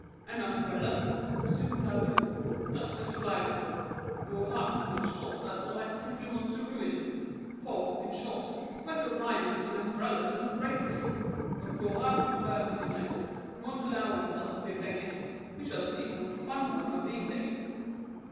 "And umbrellas," resumed Baudu; "that's the climax! Bourras feels sure that Mouret simply wants to ruin him; for, in short, where's the rhyme between umbrellas and drapery? But Bourras is firm on his legs, and won't allow himself to be beggared. We shall see some fun one of these days."